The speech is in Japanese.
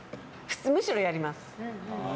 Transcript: むしろやります。